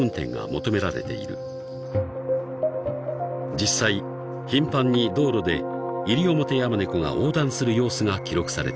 ［実際頻繁に道路でイリオモテヤマネコが横断する様子が記録されている］